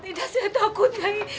tidak saya takut